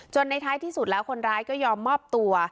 ในท้ายที่สุดแล้วคนร้ายก็ยอมมอบตัว